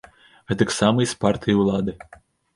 Гэтак сама і з партыяй улады.